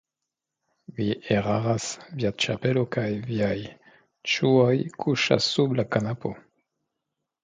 Vi eraras, via ĉapelo kaj viaj ŝuoj kuŝas sub la kanapo.